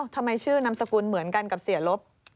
ทำไมชื่อนามสกุลเหมือนกันกับเสียลบ